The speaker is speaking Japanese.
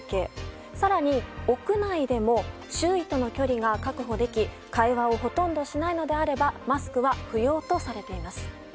更に、屋内でも周囲との距離が確保でき会話をほとんどしないのであればマスクは不要とされています。